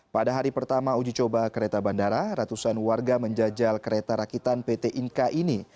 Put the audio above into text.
pada hari pertama uji coba kereta bandara ratusan warga menjajal kereta rakitan pt inka ini